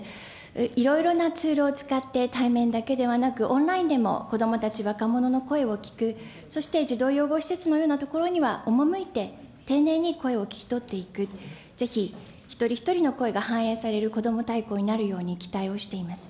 いろいろなツールを使って対面だけではなく、オンラインでも子どもたち、若者の声を聞く、そして児童養護施設のようなところには、おもむいて丁寧に声を聞き取っていく、ぜひ一人一人の声が反映されるこども大綱になるように期待をしています。